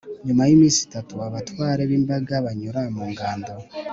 nyuma y'iminsi itatu, abatware b'imbaga banyura mu ngando